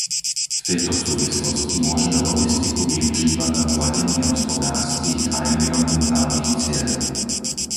V tejto súvislosti môžeme logistiku využívať na zladenie hospodárskych a environmentálnych cieľov.